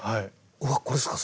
うわこれっすか？